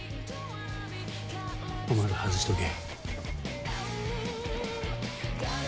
お前ら外しとけ。